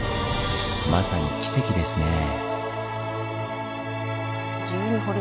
まさにキセキですねぇ。